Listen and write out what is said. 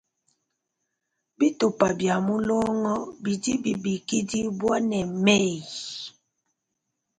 Bitupa bia mulongo bidi bilikidibwa ne meyi.